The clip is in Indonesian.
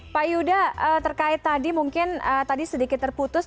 pak yuda terkait tadi mungkin tadi sedikit terputus